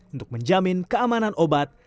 untuk menjamin keamanan obat